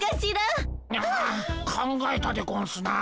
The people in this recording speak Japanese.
あっ考えたでゴンスな。